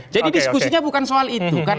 jadi diskusinya bukan soal itu kan